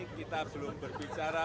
kita belum berbicara